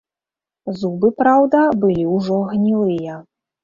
Зубы, праўда, былі ўжо гнілыя.